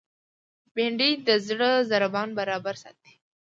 بېنډۍ د زړه ضربان برابر ساتي